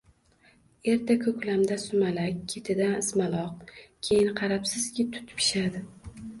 Erta ko‘klamda sumalak, ketidan ismaloq, keyin qarabsizki, tut pishadi.